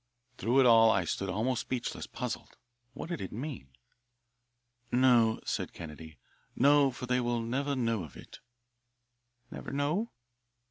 Through it all I stood almost speechless, puzzled. What did it all mean? "No," said Kennedy, "no, for they will never know of it." "Never know?"